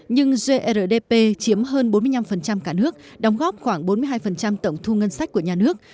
nhưng grdp chiếm hơn bốn mươi năm cả nước đóng góp khoảng bốn mươi hai tổng thu ngân sách của nhà nước